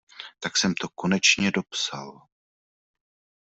Tak jsem to konečně dopsal.